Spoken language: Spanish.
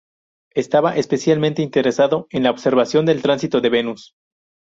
Estaba especialmente interesado en la observación del tránsito de Venus.